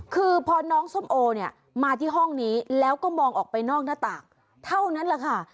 คือพอน้องส้มโอเนี่ยมาที่ห้องนี้แล้วก็มองออกไปนอกหน้าต่างเท่านั้นแหละค่ะ